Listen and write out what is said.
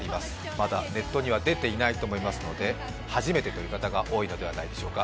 まだネットには出ていないと思いますので初めてという方が多いのではないでしょうか。